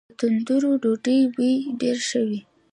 د تندور ډوډۍ بوی ډیر ښه وي.